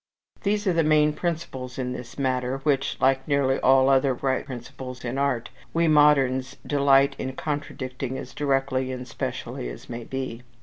These are the main principles in this matter; which, like nearly all other right principles in art, we moderns delight in contradicting as directly and specially as may be.